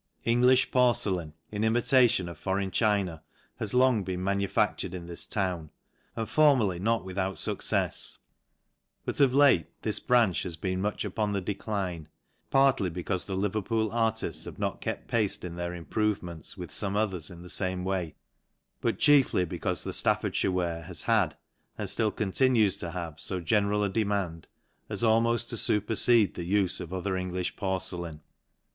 Hjh porcelain, in imitation of foreign chin; has long been manufactured in this town, and for nierly not without fuccefs j but of late this branc LANCASHIRE. 267 as been much upon the decline, partly becaufe the ,everpool artifts have not kept pace in their improve lents with fome others in the fame way, but chiefly ecaufe the Staffhrdjhire ware has had, and (till con nues to have, fo general a demand, as almoft to ipercede the ufe of other Englijh porcelain.